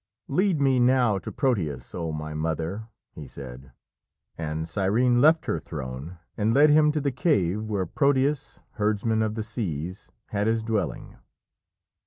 "Lead me now to Proteus, oh my mother!" he said, and Cyrene left her throne and led him to the cave where Proteus, herdsman of the seas, had his dwelling.